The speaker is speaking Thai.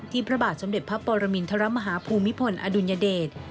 พระบาทสมเด็จพระปรมินทรมาฮาภูมิพลอดุลยเดช